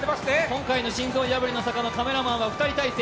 今回の心臓破りの坂のカメラは２人体制。